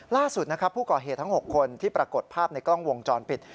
ล่าสุดนะครับผู้ก่อเหตุทั้ง๖คนที่ปรากฏภาพในกล้องวงจรปิด